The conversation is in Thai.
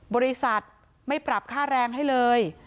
บริษัทไม่ปรับค่าแรงให้เลย